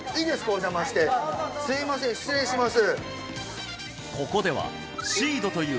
お邪魔してどうぞどうぞすいません失礼します